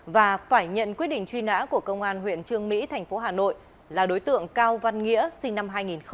và phải nhận quyết định truy nã của công an huyện trương mỹ tp hcm là đối tượng cao văn nghĩa sinh năm hai nghìn hai